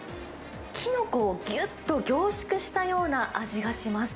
キノコをぎゅっと凝縮したような味がします。